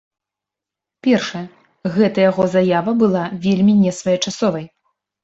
Першае, гэтая яго заява была вельмі несвоечасовай.